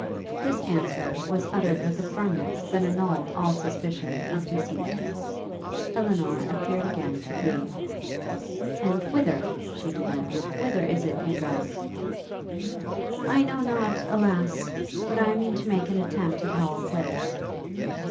This answer was uttered with a firmness that annulled all suspicion of deceit. Elinor appeared again to breathe. 'And whither?' she demanded, 'whither is it you go?' 'I know not, alas! but I mean to make an attempt at Howel Place.'